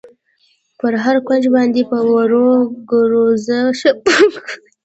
پر هر کونج باندې په ورو ګر وځه، ښه پام کوه.